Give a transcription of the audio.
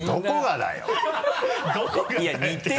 「どこがだよ」って。